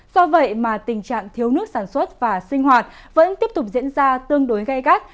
do vậy mà tình trạng thiếu nước sản xuất và sinh hoạt vẫn tiếp tục diễn ra tương đối gai gắt